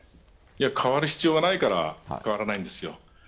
代わる必要がないから代わらないんです。